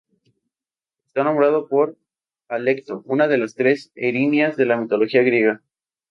Está nombrado por Alecto, una de las tres erinias de la mitología griega.